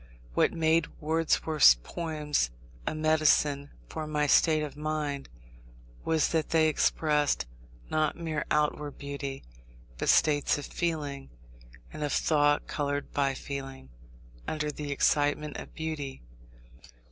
What made Wordsworth's poems a medicine for my state of mind, was that they expressed, not mere outward beauty, but states of feeling, and of thought coloured by feeling, under the excitement of beauty.